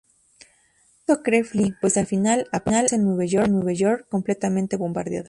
O eso cree Fry, pues al final, aparece Nueva York completamente bombardeada.